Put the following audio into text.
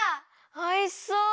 おいしそう！